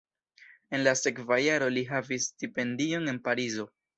En la sekva jaro li havis stipendion en Parizo.